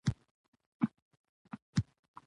د خلکو رضایت د هر نظام لپاره حیاتي دی